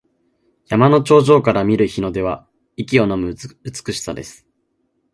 山の頂上から見る日の出は息をのむ美しさです。